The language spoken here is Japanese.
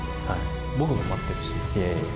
僕も待ってるし。